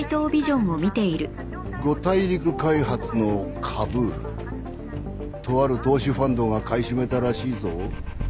五大陸開発の株とある投資ファンドが買い占めたらしいぞ。